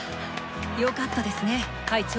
よかったですね会長。